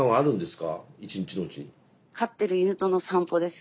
飼ってる犬との散歩です。